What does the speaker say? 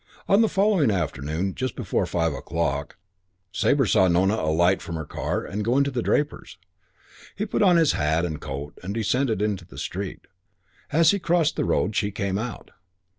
On the following afternoon, just before five o'clock, Sabre saw Nona alight from her car and go into the draper's. He put on his hat and coat and descended into the street. As he crossed the road she came out.